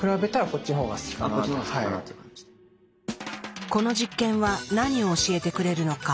この実験は何を教えてくれるのか？